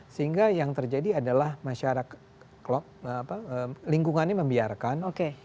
sehingga yang terjadi adalah masyarakat lingkungannya membiarkan